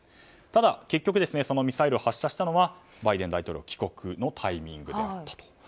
ただ、結局そのミサイルを発射したのはバイデン大統領帰国のタイミングだったと。